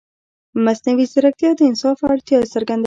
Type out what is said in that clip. مصنوعي ځیرکتیا د انصاف اړتیا څرګندوي.